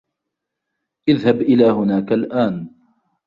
إذهب إلى هناك الآن.